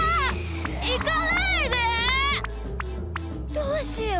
どうしよう。